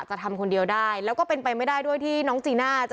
ทำคนเดียวได้แล้วก็เป็นไปไม่ได้ด้วยที่น้องจีน่าจะ